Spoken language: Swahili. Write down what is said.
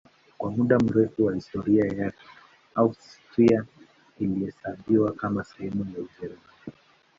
Kwa muda mrefu wa historia yake Austria ilihesabiwa kama sehemu ya Ujerumani.